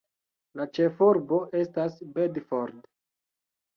La ĉefurbo estas Bedford.